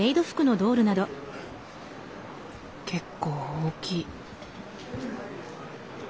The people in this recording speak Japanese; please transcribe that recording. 結構大きい。